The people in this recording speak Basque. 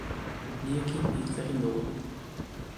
Biekin hitz egin dugu.